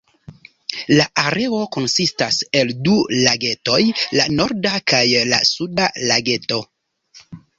La areo konsistas el du lagetoj, la "Norda" kaj la "Suda" Lageto.